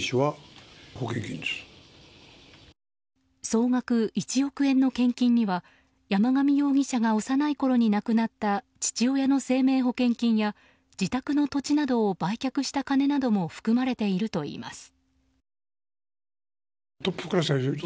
総額１億円の献金には山上容疑者が幼いころに亡くなった父親の生命保険金や自宅の土地などを売却した金なども含まれているといいます。